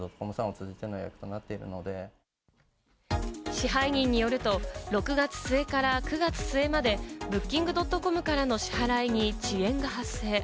支配人によると、６月末から９月末まで、Ｂｏｏｋｉｎｇ．ｃｏｍからの支払いに遅延が発生。